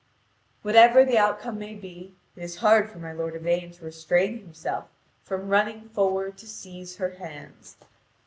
Whatever the outcome may be, it is hard for my lord Yvain to restrain himself from running forward to seize her hands.